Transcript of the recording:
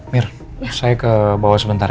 mir saya ke bawah sebentar